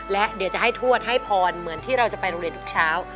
และเดี๋ยวจะให้ทวดให้พรเหมือนที่เราจะไปโรงเรียนทุกเช้า